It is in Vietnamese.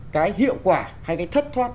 cái hiệu quả hay cái thất thoát